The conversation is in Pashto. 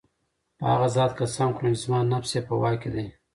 په هغه ذات قسم خورم چي زما نفس ئي په واك كي دی